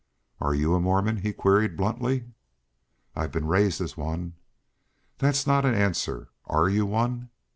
"Are you a Mormon?" he queried bluntly. "I've been raised as one." "That's not an answer. Are you one?